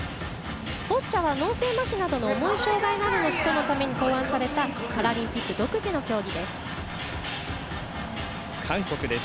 ボッチャは脳性まひなどの重い障がいのある人のために考案されたパラリンピック独自の競技です。